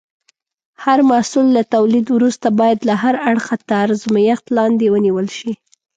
هر محصول له تولید وروسته باید له هر اړخه تر ازمېښت لاندې ونیول شي.